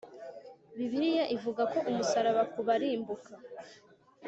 Bibiliya ivuga ko umusaraba ku barimbuka